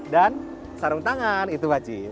dan sarung tangan itu wajib